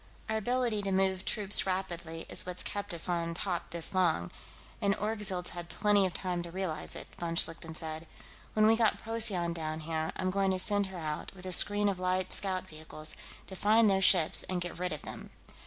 "Our ability to move troops rapidly is what's kept us on top this long, and Orgzild's had plenty of time to realize it," von Schlichten said. "When we get Procyon down here, I'm going to send her out, with a screen of light scout vehicles, to find those ships and get rid of them....